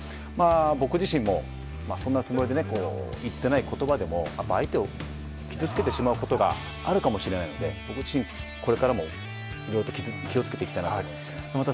僕自身も、そんなつもりで言ってない言葉でも相手を傷つけてしまうことがあるかもしれないので僕自身、これからもいろいろと気を付けていきたいなと思います。